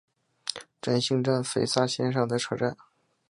真幸站肥萨线上的车站。